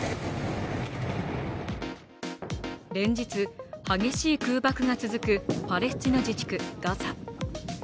連日、激しい空爆が続くパレスチナ自治区ガザ。